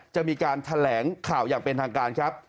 จะมีการแถลงข่าวอย่างเป็นทางการครับ